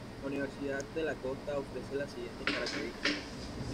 La Universidad de la Costa ofrece las siguientes características